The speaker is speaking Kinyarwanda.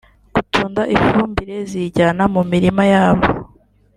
gutunda ifumbire ziyijyana mu mirima yabo